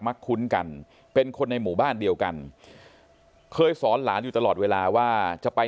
คุ้นกันเป็นคนในหมู่บ้านเดียวกันเคยสอนหลานอยู่ตลอดเวลาว่าจะไป